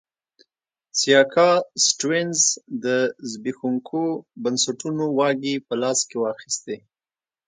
سیاکا سټیونز د زبېښونکو بنسټونو واګې په لاس کې واخیستې.